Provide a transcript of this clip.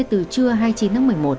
từ trưa hai mươi chín tháng một mươi một